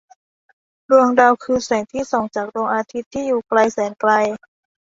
ดวงดาวคือแสงที่ส่องจากดวงอาทิตย์ที่อยู่ไกลแสนไกล